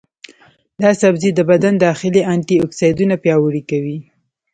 دا سبزی د بدن داخلي انټياکسیدانونه پیاوړي کوي.